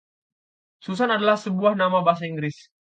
Susan adalah sebuah nama bahasa Inggris.